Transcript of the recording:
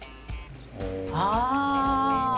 ああ。